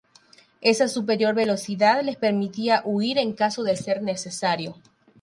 Esa superior velocidad les permitía huir en caso de ser necesario.